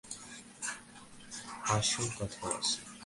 আসল কথায় আসি।